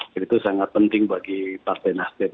jadi itu sangat penting bagi partai nasdem